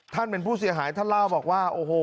ท่านเป็นผู้เสียหายท่านเล่าบอกว่าโอ้โห